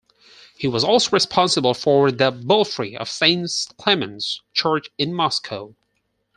He was also responsible for the belfry of Saint Clement's Church in Moscow.